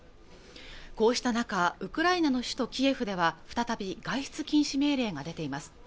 こうした中、ウクライナの首都キエフでは再び外出禁止命令が出ています